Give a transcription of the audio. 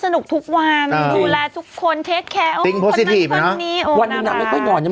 นักนอนไม่ค่อยหลับ